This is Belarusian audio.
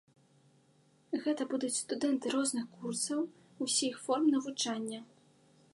Гэта будуць студэнты розных курсаў, усіх форм навучання.